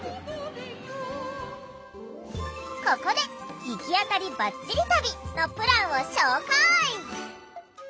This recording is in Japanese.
ここで「行き当たりバッチリ旅」のプランを紹介！